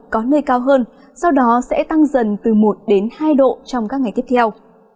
có nơi cao hơn sau đó sẽ tăng dần từ một hai độ trong các ngày tiếp theo